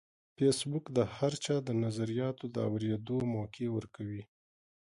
فېسبوک د هر چا د نظریاتو د اورېدو موقع ورکوي